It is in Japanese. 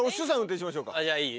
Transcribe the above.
じゃあいい？